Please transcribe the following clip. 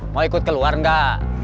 mau ikut keluar enggak